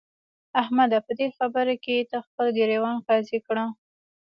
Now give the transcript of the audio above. احمده! په دې خبره کې ته خپل ګرېوان قاضي کړه.